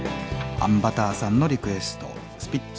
あんバターさんのリクエストスピッツ